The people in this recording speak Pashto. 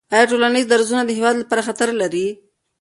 آیا ټولنیز درزونه د هېواد لپاره خطر لري؟